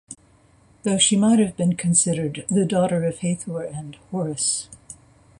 Though she might have been considered the daughter of Hathor and Horus.